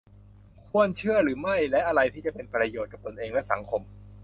ควรเชื่อหรือไม่ และอะไรที่จะเป็นประโยชน์กับตนเอง และ สังคม